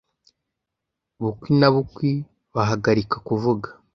Bukwi na bukwi bahagarika kuvuga.